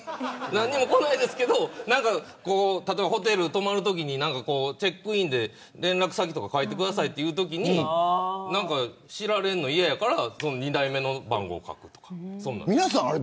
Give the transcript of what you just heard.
何にもこないですけど例えばホテル泊まるときにチェックインで連絡先とか書いてくださいというときに知られるの嫌だから２台目の番号を書くとか。